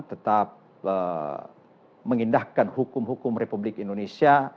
tetap mengindahkan hukum hukum republik indonesia